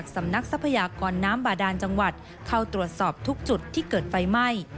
ทรัพยากรน้ำบาดานจังหวัดเข้าตรวจสอบทุกจุดที่เกิดไฟไหม้